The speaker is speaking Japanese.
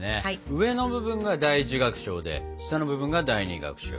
上の部分が第一楽章で下の部分が第二楽章。